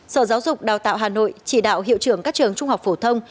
sở giáo dục đào tạo hà nội chỉ đạo hiệu trưởng các trường trung học phổ thông